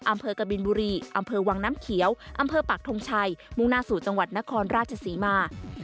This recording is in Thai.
อำเภอกบินบุรีอำเภอวังน้ำเขียวอำเภอปักทงชัยมุ่งหน้าสู่จังหวัดนครราชศรีมา